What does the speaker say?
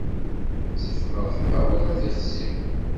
Ttif mṛeḥba wala tixsi.